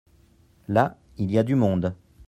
là, il y a du monde.